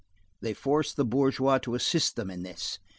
They forced the bourgeois to assist them in this.